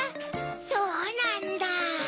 そうなんだ！